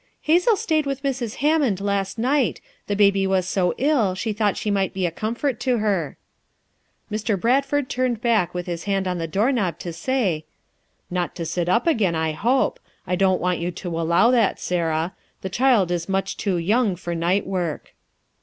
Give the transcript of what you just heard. " Hazel stayed with Mrs. Hammond last night; the baby was so ill she thought she might be a comfort to her." Mr. Bradford turned back with his hand on the door knob to say: "Not to sit up again, I hope. I don't want you to allow that, Sarah; the child is much too young for night work.